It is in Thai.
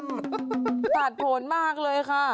ภาษาโผล่มากเลยค่ะ